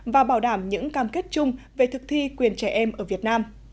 và bảo đảm những cam kết chung về thực thi quyền trẻ em ở việt nam